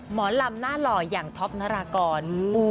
หมอลำหน้าหล่ออย่างท็อปนารากร